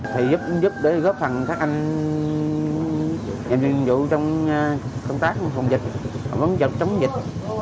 thì giúp cũng giúp để góp phần các anh em nhiệm vụ trong công tác phòng dịch phòng dịch